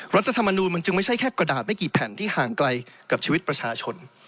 รัฐธรรมนูลมันจึงไม่ใช่แค่กระดาษไม่กี่แผ่นที่ห่างไกลกับชีวิตประชาชน